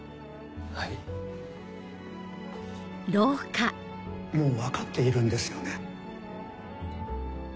はいもう分かっているんですよね？